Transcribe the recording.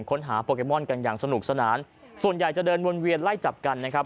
โปเกมอนกันอย่างสนุกสนานส่วนใหญ่จะเดินวนเวียนไล่จับกันนะครับ